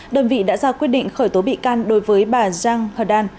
đơn vị đã ra quyết định khởi tố bị can đối với bà giang hờ đan